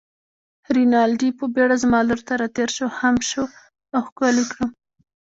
رینالډي په بېړه زما لور ته راتېر شو، خم شو او ښکل يې کړم.